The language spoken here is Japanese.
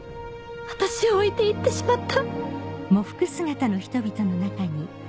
私を置いて行ってしまった！